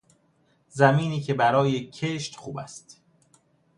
زمینی که برای کشت خوب است